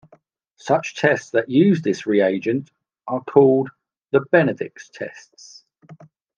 Such tests that use this reagent are called the Benedict's tests.